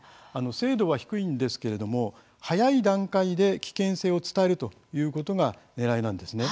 精度は低いんですけれども早い段階で危険性を伝えるということがねらいなんです。